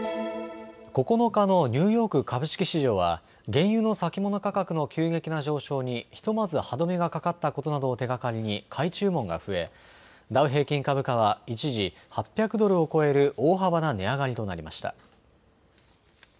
９日のニューヨーク株式市場は原油の先物価格の急激な上昇にひとまず歯止めがかかったことなどを手がかりに買い注文が増え、ダウ平均株価は一時、８００ドルを超える大幅な値上がりとなりました。